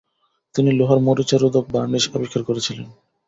তিনি লোহার মরিচা রোধক বার্নিস আবিষ্কার করেছিলেন।